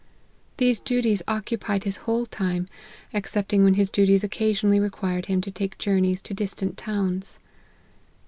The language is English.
These duties occupied his whole time, excepting when his duties occasionally required him to take journeys to distant towns.